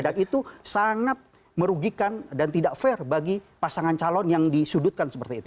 dan itu sangat merugikan dan tidak fair bagi pasangan calon yang disudutkan seperti itu